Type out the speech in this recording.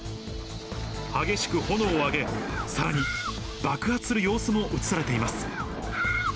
激しく炎を上げ、さらに爆発する様子も写されています。